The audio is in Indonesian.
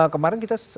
kemarin kita sebut